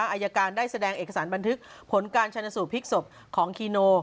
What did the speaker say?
อายการได้แสดงเอกสารบันทึกผลการชนสูตรพลิกศพของคีโน